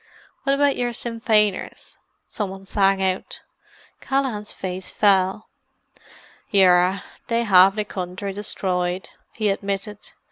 "What about your Sinn Feiners?" some one sang out. Callaghan's face fell. "Yerra, they have the country destroyed," he admitted.